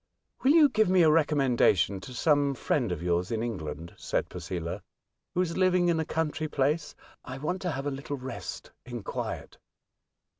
*' Will you give me a recommendation to some friend of yours in England,'* said Posela, A Love Chapter. 41 who is living in a country place ? I want to have a little rest in quiet."